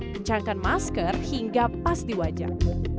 kencangkan masker hingga pas di wajah